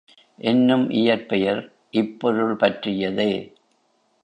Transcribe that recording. என்னும் இயற்பெயர் இப்பொருள் பற்றியதே.